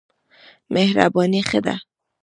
مهرباني ښه ده.